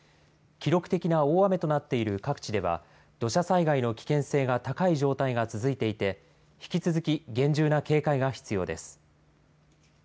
記録的な大雨となっている各地では、土砂災害の危険性が高い状態が続いていて、引き続き厳重な警戒が必要です。